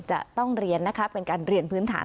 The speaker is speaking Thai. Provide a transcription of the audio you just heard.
จะต้องเรียนนะคะเป็นการเรียนพื้นฐาน